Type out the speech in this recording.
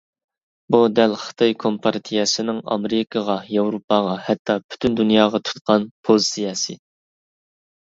بۇ دەل خىتاي كومپارتىيەسىنىڭ ئامېرىكىغا، ياۋروپاغا، ھەتتا پۈتۈن دۇنياغا تۇتقان پوزىتسىيەسى.